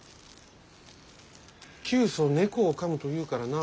「窮鼠猫をかむ」というからな。